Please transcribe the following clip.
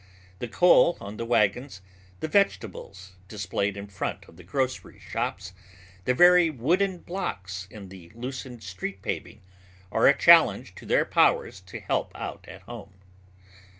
The coal on the wagons, the vegetables displayed in front of the grocery shops, the very wooden blocks in the loosened street paving are a challenge to their powers to help out at home.